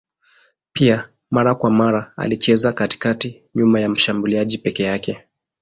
Pia mara kwa mara alicheza katikati nyuma ya mshambuliaji peke yake.